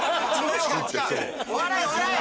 ・お笑いお笑い！